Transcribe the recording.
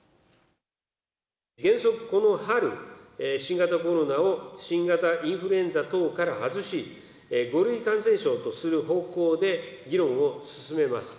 原則この春、新型コロナを新型インフルエンザ等から外し、５類感染症とする方向で議論を進めます。